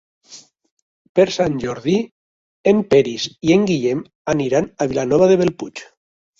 Per Sant Jordi en Peris i en Guillem aniran a Vilanova de Bellpuig.